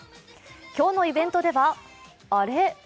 今日のイベントでは、あれ？